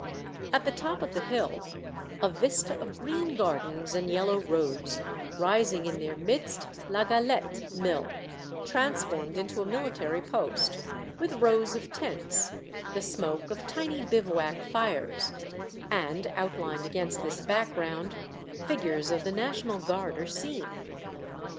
At the top of the hill a vista of green gardens and yellow roads ; rising in their midst La Galette mill, transformed into a military post, with rows of tents, the smoke of tiny bivouac fires, and, outlined against this background, figures of the national guard are seen.